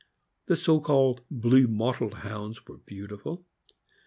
The old so called "blue mottled" Hounds were beautiful.